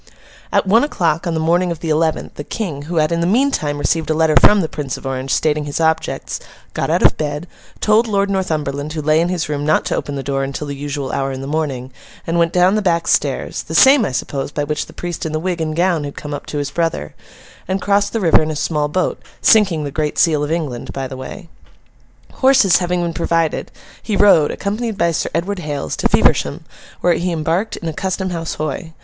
At one o'clock on the morning of the eleventh, the King, who had, in the meantime, received a letter from the Prince of Orange, stating his objects, got out of bed, told Lord Northumberland who lay in his room not to open the door until the usual hour in the morning, and went down the back stairs (the same, I suppose, by which the priest in the wig and gown had come up to his brother) and crossed the river in a small boat: sinking the great seal of England by the way. Horses having been provided, he rode, accompanied by Sir Edward Hales, to Feversham, where he embarked in a Custom House Hoy.